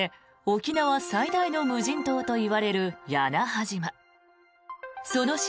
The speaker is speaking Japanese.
沖縄最大の無人島といわれる屋那覇島。